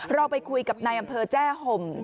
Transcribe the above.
เราไปคุยกับนายอำเภอแจ้ห่ม